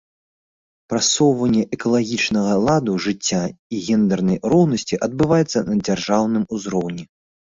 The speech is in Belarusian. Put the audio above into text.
Прасоўванне экалагічнага ладу жыцця і гендэрнай роўнасці адбываецца на дзяржаўным узроўні.